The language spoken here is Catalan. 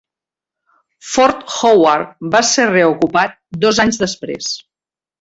Fort Howard va ser reocupat dos anys després.